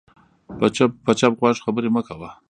په چپ غوږ خبرې مه کوه